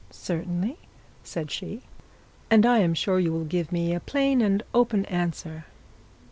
'Certainly,' said she. 'And I am sure you will give me a plain and open answer.'